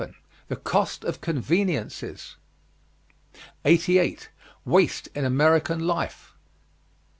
THE COST OF CONVENIENCES. 88. WASTE IN AMERICAN LIFE.